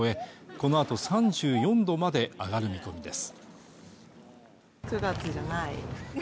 このあと３４度まで上がる見込みです